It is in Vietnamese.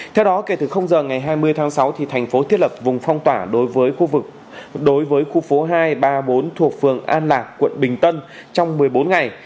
theo đó kể từ giờ ngày hai mươi tháng sáu thành phố thiết lập vùng phong tỏa đối với khu phố hai ba bốn thuộc phường an lạc quận bình tân trong một mươi bốn ngày